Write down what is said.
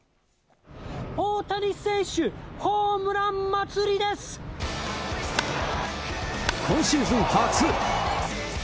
大谷選手、今シーズン初。